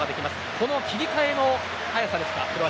この切り替えの早さですか。